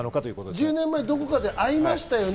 １０年前、どこかで会いましたよね？